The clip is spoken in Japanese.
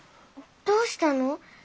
どうしたの？